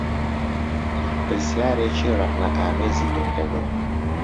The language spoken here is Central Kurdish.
پرسیارێکی ڕخنەئامێزی لێ کردم